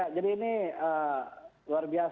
ya jadi ini luar biasa ini ya